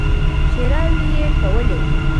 ښېراوې يې کولې.